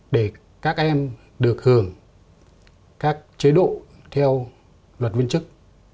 để các em được hưởng các chế độ theo luật viên chức